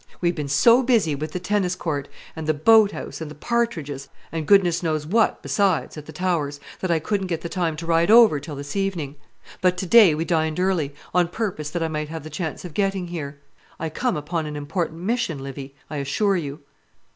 "We've been so busy with the tennis court, and the boat house, and the partridges, and goodness knows what besides at the Towers, that I couldn't get the time to ride over till this evening. But to day we dined early, on purpose that I might have the chance of getting here. I come upon an important mission, Livy, I assure you."